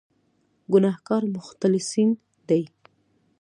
ګناهکار مختلسین دي.